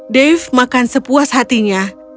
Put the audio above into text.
dave makan sepuas hatinya